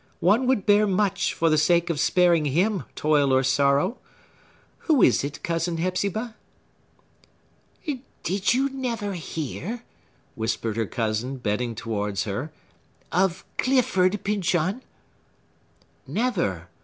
One would bear much for the sake of sparing him toil or sorrow. Who is it, Cousin Hepzibah?" "Did you never hear," whispered her cousin, bending towards her, "of Clifford Pyncheon?" "Never.